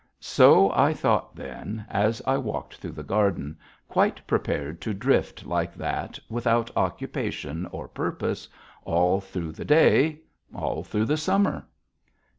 So I thought then as I walked through the garden, quite prepared to drift like that without occupation or purpose, all through the day, all through the summer.